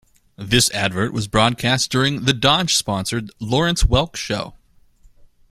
This advert was broadcast during the Dodge-sponsored "Lawrence Welk Show".